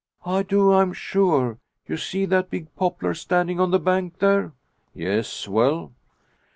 "I do am sure. You see that big poplar standing on the bank there?" "Yes; well?"